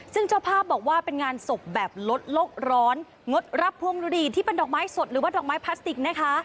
ซึ่งเจ้าภาพบอกว่าเป็นงานศพแบบลดโลกร้อนงดรับพวงดุดีที่เป็นดอกไม้สดหรือว่าดอกไม้พลาสติกนะคะ